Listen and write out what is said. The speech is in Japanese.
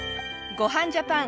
『ごはんジャパン』